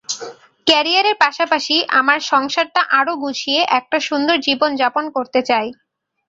ক্যারিয়ারের পাশাপাশি আমার সংসারটা আরও গুছিয়ে একটা সুন্দর জীবন যাপন করতে চাই।